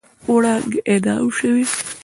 وړانګې اعدام شولې